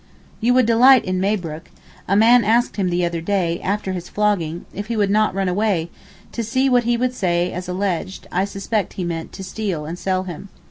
You would delight in Mabrook; a man asked him the other day after his flogging, if he would not run away, to see what he would say as he alleged, I suspect he meant to steal and sell him.